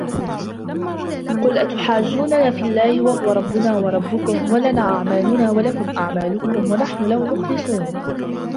قُلْ أَتُحَاجُّونَنَا فِي اللَّهِ وَهُوَ رَبُّنَا وَرَبُّكُمْ وَلَنَا أَعْمَالُنَا وَلَكُمْ أَعْمَالُكُمْ وَنَحْنُ لَهُ مُخْلِصُونَ